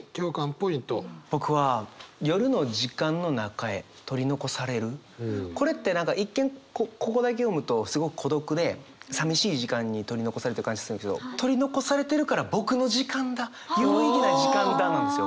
僕はこれって何か一見ここだけ読むとすごく孤独でさみしい時間に取り残されてる感じするんですけど「取り残されてるから僕の時間だ有意義な時間だ」なんですよ。